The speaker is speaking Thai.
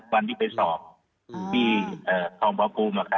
วันที่ไปสอบที่ทอมปาภูมิเข้าทำ